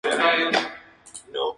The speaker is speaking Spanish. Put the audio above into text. A mons.